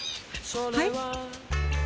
はい？